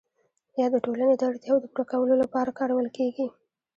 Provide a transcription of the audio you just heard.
یا د ټولنې د اړتیاوو د پوره کولو لپاره کارول کیږي؟